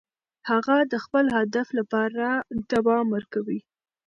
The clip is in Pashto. هغه د خپل هدف لپاره دوام ورکوي.